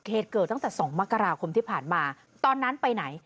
เหตุเกิดตั้งแต่๒มกราคมที่ผ่านมาตอนนั้นไปไหน